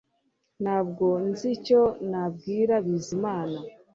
Ntabwo nzi icyo nabwira Bizimana